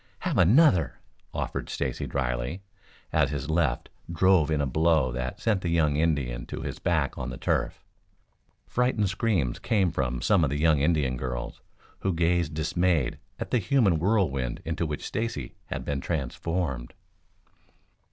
"Have another," offered Stacy dryly, as his left drove in a blow that sent the young Indian to his back on the turf. Frightened screams came from some of the young Indian girls, who gazed dismayed at the human whirlwind into which Stacy had been transformed.